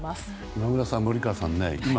今村さん、森川さん